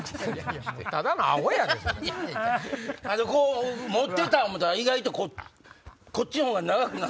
こう持ってた思たら意外とこっちのほうが長くなって。